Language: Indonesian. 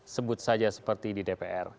sebut saja seperti di dpr